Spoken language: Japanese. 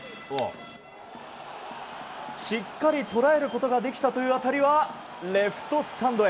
しっかり捉えることができたという当たりはレフトスタンドへ。